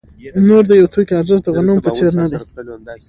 نور د یوه توکي ارزښت د غنمو په څېر نه دی